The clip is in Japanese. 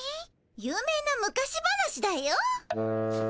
有名な昔話だよ。